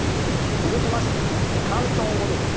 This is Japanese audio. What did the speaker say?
続きましてですね広東語ですね。